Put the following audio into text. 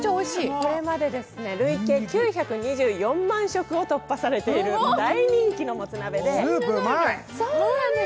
これまで９２４万食を突破している大人気のもつ鍋です。